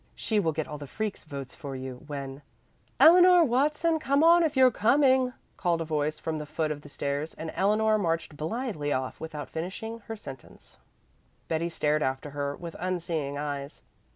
She will get all the freaks' votes for you, when " "Eleanor Watson, come on if you're coming," called a voice from the foot of the stairs, and Eleanor marched blithely off, without finishing her sentence. Betty stared after her with unseeing eyes.